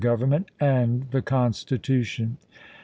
Government and the Constitution.